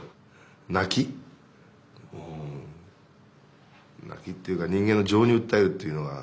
泣きっていうか人間の情に訴えるっていうのが。